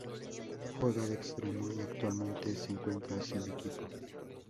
Juega de extremo y actualmente se encuentra sin equipo.